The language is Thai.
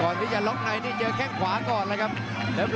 ก่อนที่จะล็อคไนค์เนี่ยเจอแค่ขวาก่อนเลยครับ